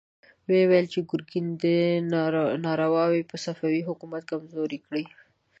ويې ويل چې د ګرګين دا نارواوې به صفوي حکومت کمزوری کړي.